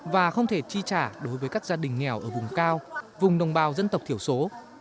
và không thể chi trả đối với các gia đình nghèo ở vùng cao vùng đồng bào dân tộc thiểu số